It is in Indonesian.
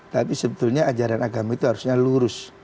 tapi sebetulnya ajaran agama itu harusnya lurus